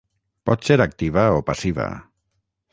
Pot ser activa o passiva.